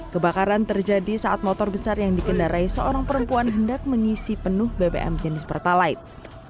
kebakaran terjadi saat motor besar yang dikendarai seorang perempuan hendak mengisi penuh bbm jenis pertalite